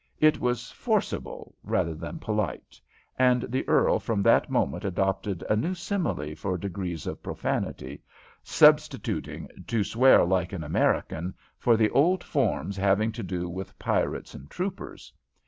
It was forcible rather than polite, and the earl from that moment adopted a new simile for degrees of profanity, substituting "to swear like an American" for the old forms having to do with pirates and troopers.